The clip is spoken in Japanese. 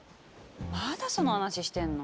まだその話してんの？